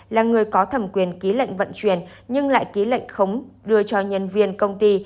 là người có thẩm quyền ký lệnh vận chuyển nhưng lại ký lệnh khống đưa cho nhân viên công ty